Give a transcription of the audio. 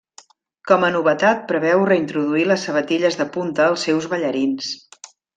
Com a novetat preveu reintroduir les sabatilles de punta als seus ballarins.